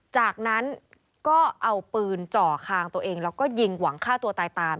จากนั้นก็เอาปืนจ่อคางตัวเองแล้วก็ยิงหวังฆ่าตัวตายตาม